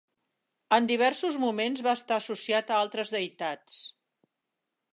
En diversos moments va estar associat a altres deïtats.